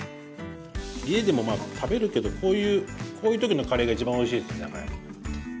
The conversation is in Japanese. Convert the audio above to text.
家でもまあ食べるけどこういう時のカレーが一番おいしいです。